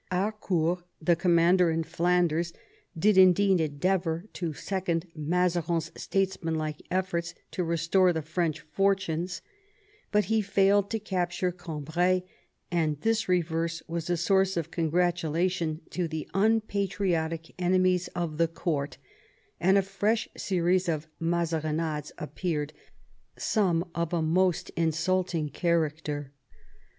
Harcourt, the commander in Flanders, did, indeed, endeavour to second Mazarin's statesmanlike efforts to restore the French fortunes, but he failed to capture Cambray, and this reverse was a source of congratulation to the unpatriotic enemies of the court, and a fresh series of Mazarinades appeared, some of a most insulting character.